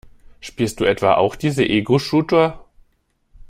Spielst du etwa auch diese Egoshooter?